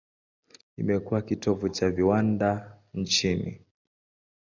Imekuwa kitovu cha viwanda nchini.